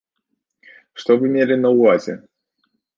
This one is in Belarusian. Што вы мелі на ўвазе?